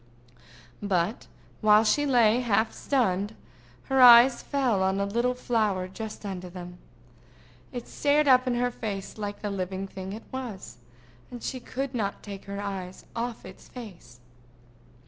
But while she lay half stunned, her eyes fell on a little flower just under them. It stared up in her face like the living thing it was, and she could not take her eyes off its face.